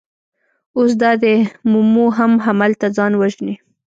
اوس دا دی مومو هم هملته ځان وژني.